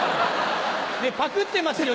パクってますよ